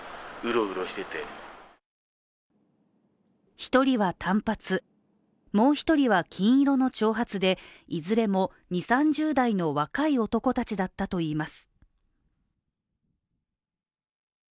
一人は短髪、もう一人は金色の長髪で、いずれも２０３０代の若い男たちだったといいます。